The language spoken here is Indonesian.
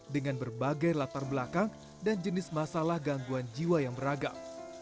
dengan berbagai latar belakang dan jenis masalah gangguan jiwa yang beragam